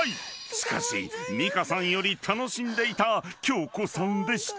［しかし美香さんより楽しんでいた恭子さんでした］